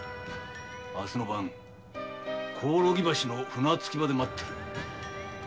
明日の晩こおろぎ橋の船着き場で待ってるぜ。